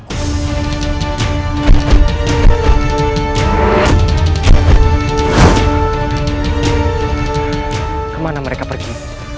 kemana mereka pergi